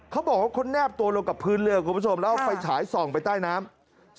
เขาบอกว่าเขาแนบตัวลงกับพื้นเรือคุณผู้ชมแล้วเอาไฟฉายส่องไปใต้น้ำ